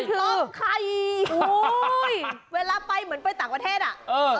อันนี้คือต้มไข่เวลาไปเหมือนไปต่างประเทศอ่ะเออ